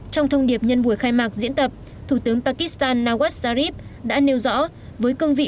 trong thông điệp nhân buổi khai mạc diễn tập thủ tướng pakistan naw zarif đã nêu rõ với cương vị